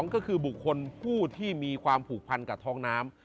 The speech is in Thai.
ก็คือบุคคลผู้ที่มีความผูกพันกับท้องน้ำ